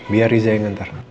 biar riza yang ntar